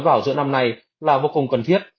vào giữa năm nay là vô cùng cần thiết